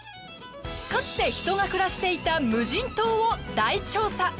かつて人が暮らしていた無人島を大調査！